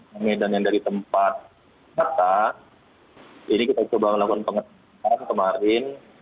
nah medan yang dari tempat kata ini kita coba melakukan pengecekan kemarin